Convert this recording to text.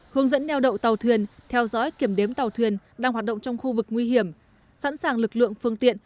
hướng dẫn neo đậu tàu thuyền theo dõi kiểm đếm tàu thuyền đang hoạt động trong khu vực nguy hiểm sẵn sàng lực lượng phương tiện